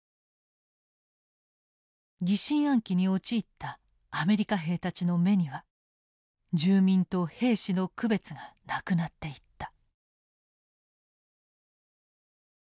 疑心暗鬼に陥ったアメリカ兵たちの目には住民と兵士の区別がなくなっていった。